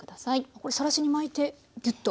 これさらしに巻いてぎゅっと。